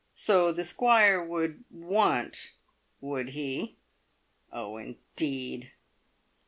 (So the Squire would "want," would he? Oh, indeed!)